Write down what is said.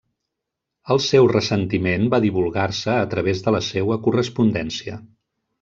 El seu ressentiment va divulgar-se a través de la seua correspondència.